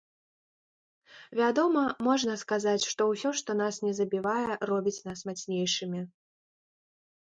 Вядома, можна сказаць, што ўсё, што нас не забівае, робіць нас мацнейшымі.